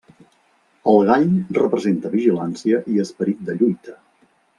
El gall representa vigilància i esperit de lluita.